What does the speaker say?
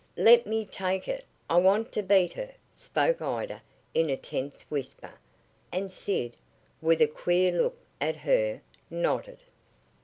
"Let me take it! I want to beat her!" spoke Ida in a tense whisper, and Sid, with a queer look at her, nodded.